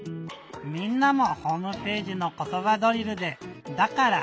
みんなもホームページの「ことばドリル」で「だから」